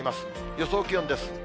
予想気温です。